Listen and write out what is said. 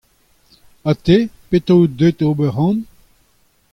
Ha te, petra out deuet d’ober amañ ?